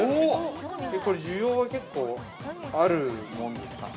◆これ需要は結構あるものですか？